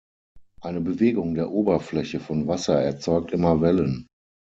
Eine Bewegung der Oberfläche von Wasser erzeugt immer Wellen.